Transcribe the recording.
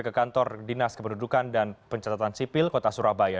ke kantor dinas kependudukan dan pencatatan sipil kota surabaya